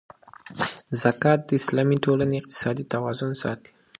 زکات د اسلامي ټولنې اقتصادي توازن ساتي.